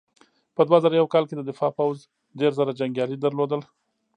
په دوه زره یو کال کې د دفاع پوځ دېرش زره جنګیالي لرل.